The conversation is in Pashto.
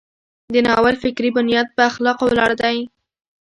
د ناول فکري بنیاد په اخلاقو ولاړ دی.